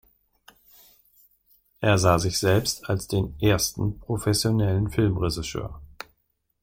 Er sah sich selbst als den „ersten professionellen Filmregisseur“.